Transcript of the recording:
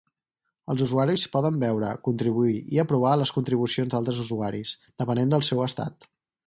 Els usuaris poden veure, contribuir i aprovar les contribucions d'altres usuaris, depenent del seu estat.